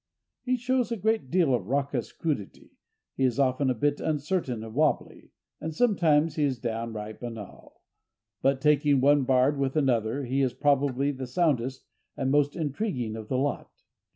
He shows a great deal of raucous crudity, he is often a bit uncertain and wobbly, and sometimes he is downright banal—but, taking one bard with another, he is probably the soundest and most intriguing of the lot.